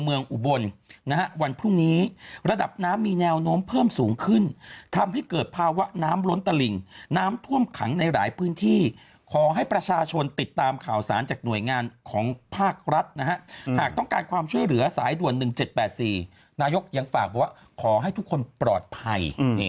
อุบลนะฮะวันพรุ่งนี้ระดับน้ำมีแนวโน้มเพิ่มสูงขึ้นทำให้เกิดภาวะน้ำล้นตลิ่งน้ำท่วมขังในหลายพื้นที่ขอให้ประชาชนติดตามข่าวสารจากหน่วยงานของภาครัฐนะฮะหากต้องการความช่วยเหลือสายด่วน๑๗๘๔นายกยังฝากบอกว่าขอให้ทุกคนปลอดภัย